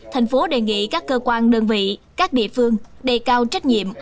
thành phố đề nghị các cơ quan đơn vị các địa phương đề cao trách nhiệm